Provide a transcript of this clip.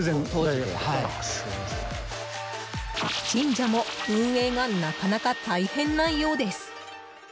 神社も、運営がなかなか大変なようです。